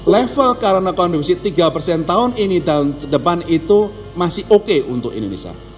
level current account deficit tiga tahun ini tahun depan itu masih oke untuk indonesia